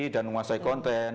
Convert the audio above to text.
dan menguasai konten